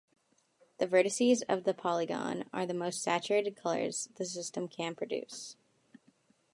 The vertices of the polygon are the most saturated colors the system can produce.